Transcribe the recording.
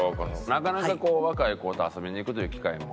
なかなかこう若い子と遊びに行くという機会も？